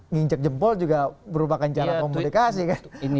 nginjek jempol juga merupakan cara komunikasi kan